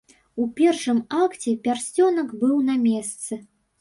У першым акце пярсцёнак быў на месцы.